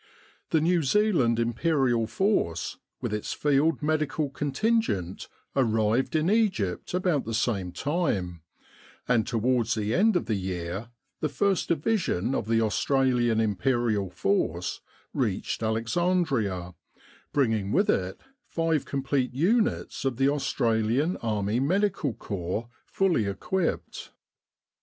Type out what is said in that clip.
The New Zealand Imperial Force with its field medical contingent arrived in Egypt about the same time, and towards the end of the year the First Division of the Australian Imperial Force reached Alexandria, bringing with it five com plete units of the Australian Army Medical Corps fully equipped.